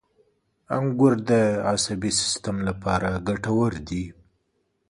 • انګور د عصبي سیستم لپاره ګټور دي.